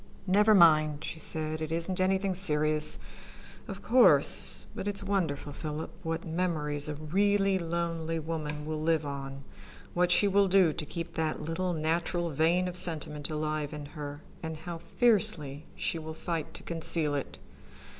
"Never mind," she said. "It isn't anything serious, of course, but it's wonderful, Philip, what memories a really lonely woman will live on, what she will do to keep that little natural vein of sentiment alive in her, and how fiercely she will fight to conceal it.